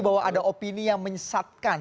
bahwa ada opini yang menyesatkan